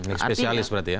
espesialis berarti ya